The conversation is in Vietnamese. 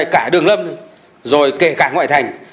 cả đường lâm rồi kể cả ngoại thành